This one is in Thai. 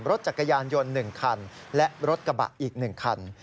รถจักรยานยนต์๑คันและรถกระบะอีก๑คัน